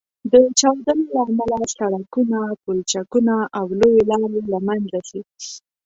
د چاودنو له امله سړکونه، پولچکونه او لویې لارې له منځه ځي